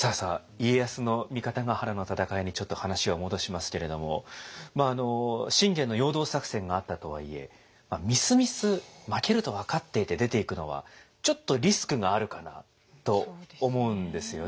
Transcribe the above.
家康の三方ヶ原の戦いにちょっと話を戻しますけれども信玄の陽動作戦があったとはいえみすみす負けると分かっていて出ていくのはちょっとリスクがあるかなと思うんですよね。